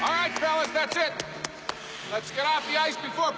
あぁ！